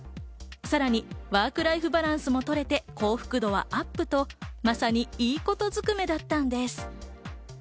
さらにワークライフバランスも取れて幸福度はアップと、まさにいいことずくめだったんです。